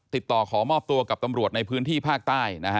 ติดต่อขอมอบตัวกับตำรวจในพื้นที่ภาคใต้นะฮะ